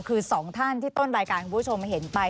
คือสองท่านที่ต้นรายการคุณผู้ชมเห็นไป